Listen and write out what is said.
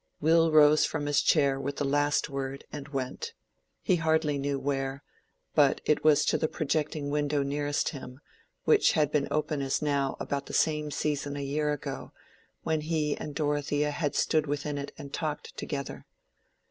Will rose from his chair with the last word and went—he hardly knew where; but it was to the projecting window nearest him, which had been open as now about the same season a year ago, when he and Dorothea had stood within it and talked together.